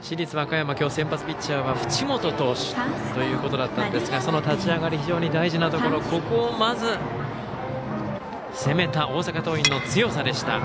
市立和歌山きょう先発ピッチャーは淵本投手ということだったんですが立ち上がり、非常に大事なところまず攻めた大阪桐蔭の強さでした。